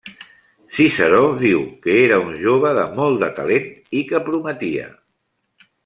Ciceró diu que era un jove de molt de talent i que prometia.